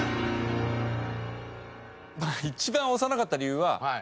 一番押さなかった理由は。